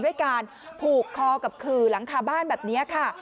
ด้วยการผูกคอกับขื่อหลังคาบ้านแบบนี้ค่ะ